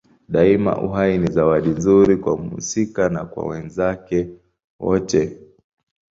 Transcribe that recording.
Daima uhai ni zawadi nzuri kwa mhusika na kwa wenzake wote.